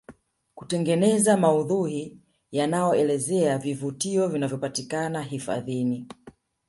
kinatengeneza maudhui yanayoelezea vivutio vinavyopatikana hifadhini